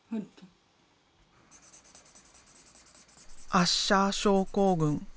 アッシャー症候群。